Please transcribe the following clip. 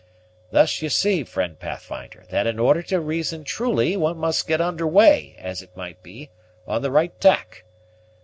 Thus you see, friend Pathfinder that in order to reason truly, one must get under way, as it might be, on the right tack.